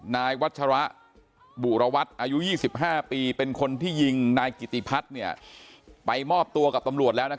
นายวัฯฯระบุระวัทรที่๒๕ปีเป็นคนที่ยิงนายกิตติพัฒน์ไปหมอบตัวกับตำรวจแล้วนะครับ